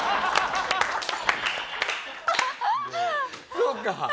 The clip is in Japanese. そうか。